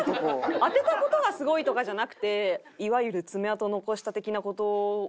当てた事がすごいとかじゃなくていわゆる爪痕を残した的な事をして。